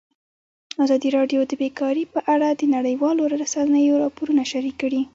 ازادي راډیو د بیکاري په اړه د نړیوالو رسنیو راپورونه شریک کړي.